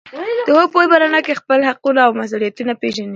د پوهې په رڼا کې انسان خپل حقونه او مسوولیتونه پېژني.